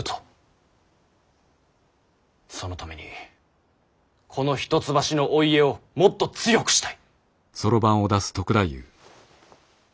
そのためにこの一橋のお家をもっと強くしたい。